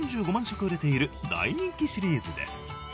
食売れている大人気シリーズです